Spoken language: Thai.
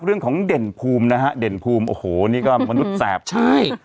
เรื่องของเด่นภูมินะฮะเด่นภูมิโอ้โหนี่ก็มนุษย์แสบใช่